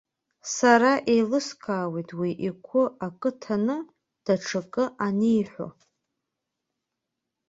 Сара еилыскаауеит уи игәы акы ҭаны, даҽакы аниҳәо.